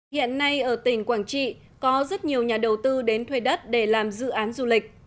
hiện nay ở tỉnh quảng trị có rất nhiều nhà đầu tư đến thuê đất để làm dự án du lịch